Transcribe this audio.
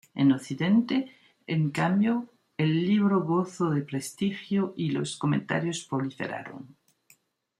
En Occidente, en cambio, el libro gozó de prestigio y los comentarios proliferaron.